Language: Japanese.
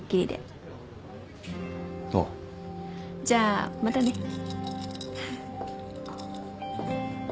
じゃあまたね。